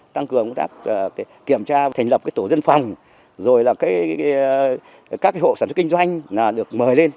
tăng cường công tác kiểm tra thành lập tổ dân phòng rồi là các hộ sản xuất kinh doanh được mời lên